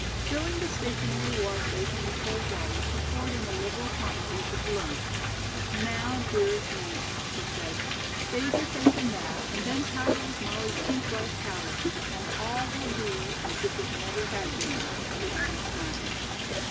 Filling the stationary wash basin with cold water she poured in a liberal quantity of the cologne. "Now, dearest Nance," she said, "bathe your face in that, and then powder with Molly's pink rice powder, and all will be as if it never had been," she added, smiling.